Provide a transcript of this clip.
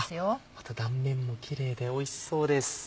また断面もキレイでおいしそうです。